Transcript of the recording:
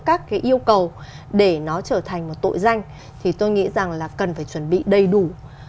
nếu chúng ta có một cái yếu cầu để nó trở thành một tội danh thì tôi nghĩ rằng là cần phải chuẩn bị đầy đủ